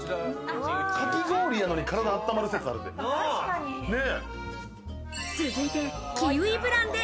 かき氷なのに、体あったまる説あるで。